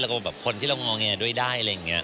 แล้วก็แบบคนที่เรางอแงด้วยได้อะไรอย่างนี้